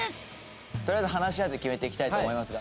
とりあえず話し合って決めていきたいと思いますが。